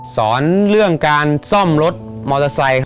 สอนเรื่องการซ่อมรถมอเตอร์ไซค์